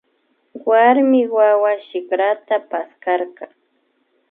Warmi wawa shikrata paskarka